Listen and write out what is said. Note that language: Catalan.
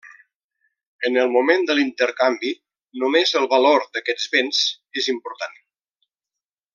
En el moment de l'intercanvi, només el valor d'aquests béns és important.